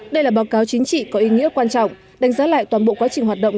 đây là báo cáo chính trị có ý nghĩa quan trọng đánh giá lại toàn bộ quá trình hoạt động